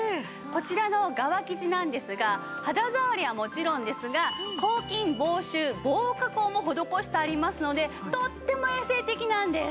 こちらの側生地なんですが肌触りはもちろんですが抗菌防臭・防汚加工も施してありますのでとっても衛生的なんです。